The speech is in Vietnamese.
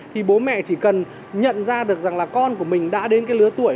thì bố mẹ chỉ cần nhận ra được rằng là con của mình đã đến cái lứa tuổi